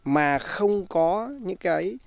mà không có những cái